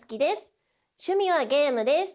趣味はゲームです。